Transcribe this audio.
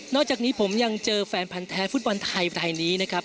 อกจากนี้ผมยังเจอแฟนพันธ์แท้ฟุตบอลไทยรายนี้นะครับ